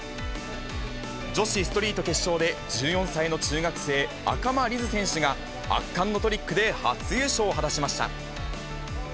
女子ストリート決勝で、１４歳の中学生、赤間凛音選手が、圧巻のトリックで初優勝を果たしました。